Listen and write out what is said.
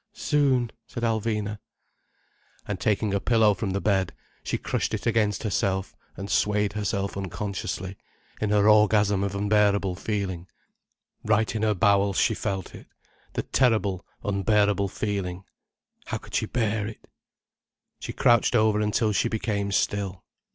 "Soon," said Alvina. And taking a pillow from the bed, she crushed it against herself and swayed herself unconsciously, in her orgasm of unbearable feeling. Right in her bowels she felt it—the terrible, unbearable feeling. How could she bear it. She crouched over until she became still.